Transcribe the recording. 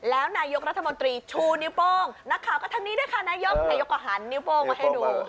แล้วนายกรัฐมนตรีชูนิ้วโป้งนักข่าวก็ทางนี้ด้วยค่ะนายกนายกก็หันนิ้วโป้งมาให้ดู